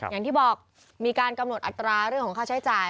อย่างที่บอกมีการกำหนดอัตราเรื่องของค่าใช้จ่าย